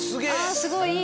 すごいいい！